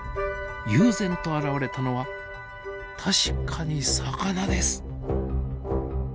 悠然と現れたのは確かに魚です。